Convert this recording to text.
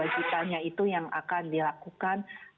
sembilan puluh dua juta nya itu yang akan dilakukan